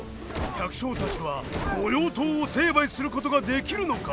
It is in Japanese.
百姓たちは御用盗を成敗することができるのか？